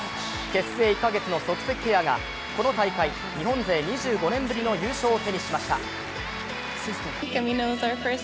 結成１カ月の即席ペアがこの大会、日本勢２５年ぶりの優勝を手にしました。